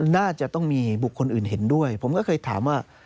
น่าจะต้องมีบุคคลอื่นเห็นด้วยผมก็เคยถามว่า